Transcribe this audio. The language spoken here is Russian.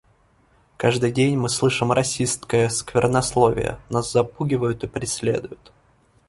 Каждый день мы слышим расистское сквернословие, нас запугивают и преследуют.